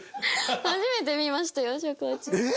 初めて見ましたよ尺八。